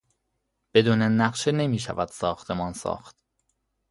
بدون نقشه نمیشود ساختمان ساخت.